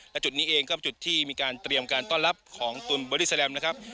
และจุดนี้เองก็เป็นจุดที่มีการเตรียมการต้อนรับของตูนบอดี้แลมนะครับ